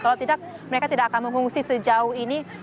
kalau tidak mereka tidak akan mengungsi sejauh ini